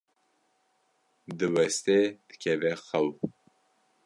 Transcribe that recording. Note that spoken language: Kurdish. diweste dikeve xew.